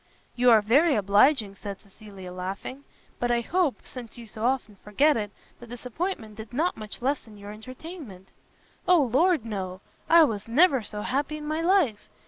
"You are very obliging," said Cecilia laughing, "but I hope, since you so often forgot it, the disappointment did [not] much lessen your entertainment." "O Lord no! I was never so happy in my life.